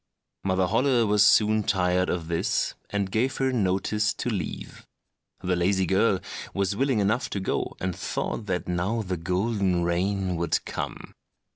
Mother Holle was soon tired of this, and gave her notice to leave. The lazy girl was willing enough to go, and thought that now the golden rain would come.